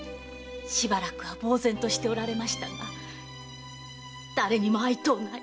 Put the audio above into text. しばらくは茫然としておられましたが「誰にも会いとうない。